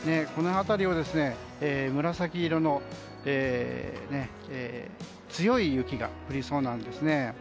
この辺りは紫色の強い雪が降りそうなんです。